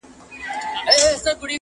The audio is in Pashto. دا کيسه غميزه انځوروي-